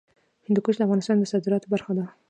هندوکش د افغانستان د صادراتو برخه ده.